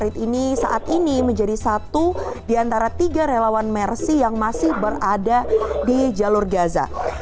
ini saat ini menjadi satu di antara tiga relawan mersi yang masih berada di jalur gaza